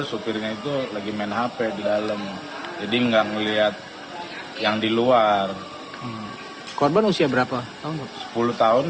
supirnya itu lagi main hp di dalam jadi enggak ngeliat yang di luar korban usia berapa sepuluh tahun